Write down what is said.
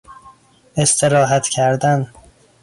استراحت کردن